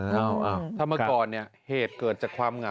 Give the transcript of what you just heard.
ถ้าเมื่อก่อนเนี่ยเหตุเกิดจากความเหงา